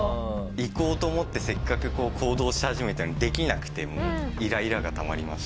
行こうと思ってせっかく行動し始めたのにできなくてイライラがたまりました。